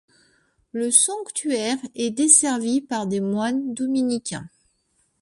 Le sanctuaire est desservi par des moines dominicains.